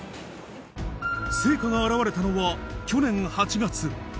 成果が表れたのは、去年８月。